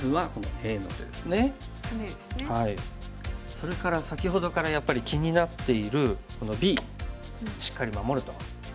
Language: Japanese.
それから先ほどからやっぱり気になっているこのＢしっかり守ると。